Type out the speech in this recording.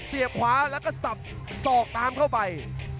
เสียบขวาแล้วก็สับสอกตามเข้าไป